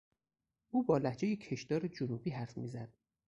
او با لهجهی کشدار جنوبی حرف میزد.